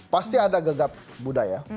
pasti ada gegap budaya